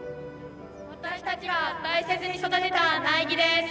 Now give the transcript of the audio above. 私たちが大切に育てた苗木です。